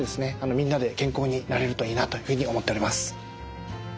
みんなで健康になれるといいなというふうに思っております。